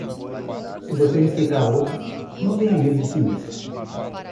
Se você respeitar outro, não tenha medo de si mesmo.